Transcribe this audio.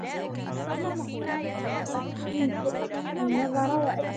قد كنت أخشى النظر وأتقي